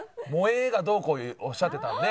「萌え」がどうこうおっしゃってたんで。